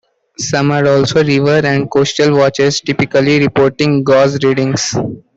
Some are also river and coastal watchers, typically reporting gauge readings.